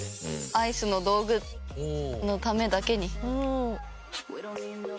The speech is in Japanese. アイスの道具のためだけに？